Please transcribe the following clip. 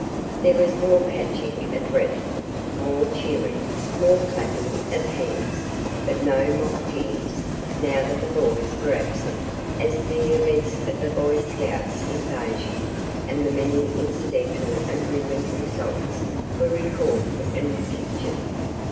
There was more catching of breath, more cheering, more clapping of hands; but no mock jeers, now that the boys were absent, as the events of the Boy Scouts' invasion and the many incidental and brilliant results were recalled and repictured.